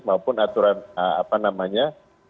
maupun aturan apa namanya